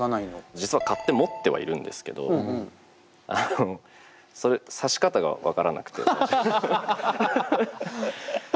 実は買って持ってはいるんですけどさし方が分からなくて。